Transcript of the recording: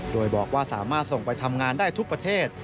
โดยบอกว่าสามารถส่งไปทำงานได้ทุกประเทศ